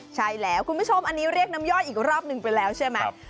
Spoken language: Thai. ใช่แล้วคุณผู้ชมอันนี้เรียกน้ำย่อยอีกรอบนึงไปแล้วใช่ไหม